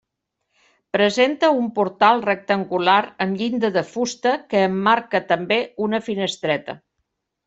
Presenta un portal rectangular amb llinda de fusta que emmarca també una finestreta.